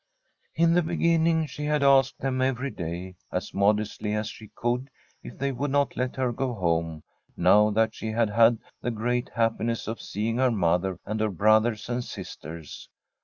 In the beginning she had asked them every day, as modestly as she could, if they would not let her go home, now that she had had the great happiness of seeing her mother and her brothers and sisters.